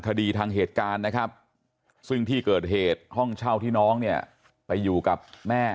คดีทางเหตุการณ์นะครับซึ่งที่เกิดเหตุห้องเช่าที่น้องเนี่ยไปอยู่กับแม่